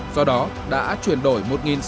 do đó đã chuyển đổi một sáu trăm linh